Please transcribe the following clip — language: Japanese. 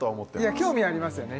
興味ありますよね